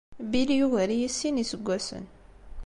Bill yugar-iyi s sin n yiseggasen.